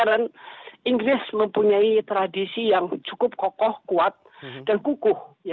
karena inggris mempunyai tradisi yang cukup kokoh kuat dan kukuh